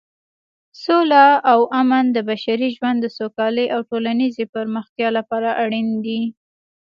سوله او امن د بشري ژوند د سوکالۍ او ټولنیزې پرمختیا لپاره اړین دي.